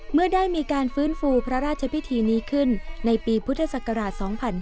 เมื่อได้มีการฟื้นฟูพระราชพิธีนี้ขึ้นในปีพุทธศักราช๒๕๕๙